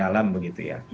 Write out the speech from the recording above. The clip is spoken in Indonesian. dalam begitu ya